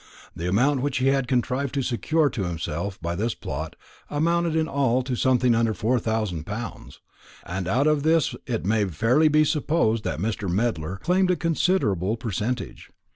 The amount which he had contrived to secure to himself by this plot amounted in all to something under four thousand pounds; and out of this it may fairly be supposed that Mr. Medler claimed a considerable percentage.